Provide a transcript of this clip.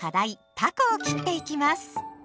「タコ」を切っていきます。